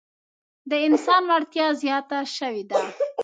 د انسان وړتیا زیاته شوې ده.